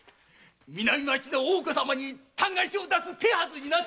南町の大岡様に嘆願書を出す手筈になっている。